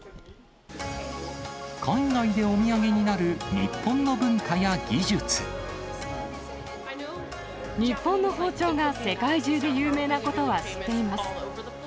海外でお土産になる日本の文化や日本の包丁が、世界中で有名なことは知っています。